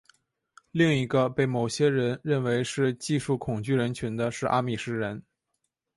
另一个被某些人认为是技术恐惧人群的是阿米什人。